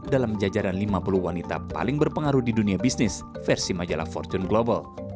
dalam jajaran lima puluh wanita paling berpengaruh di dunia bisnis versi majalah fortune global